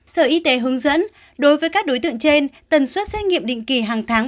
sở y tế hướng dẫn đối với các đối tượng trên tần suất xét nghiệm định kỳ hàng tháng